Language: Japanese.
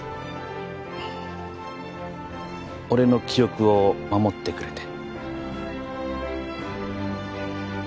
俺の記憶を護ってくれて。